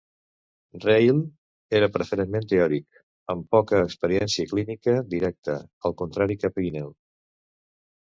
Reil era preferentment teòric, amb poca experiència clínica directa; el contrari que Pinel.